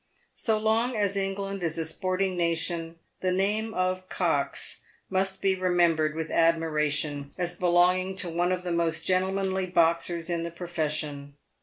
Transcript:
So long as England is a sporting nation, the name of Cox must be remembered with admiration, as belonging to one of the most gentlemanly boxers in the profession.